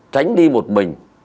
tránh đi một mình